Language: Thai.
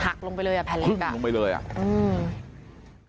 หักลงไปเลยแผ่นเล็ก